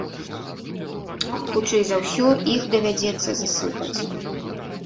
Хутчэй за ўсё, іх давядзецца засыпаць.